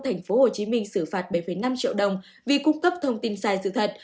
tp hcm xử phạt bảy năm triệu đồng vì cung cấp thông tin sai sự thật